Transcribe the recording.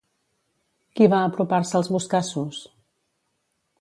Qui va apropar-se als Boscassos?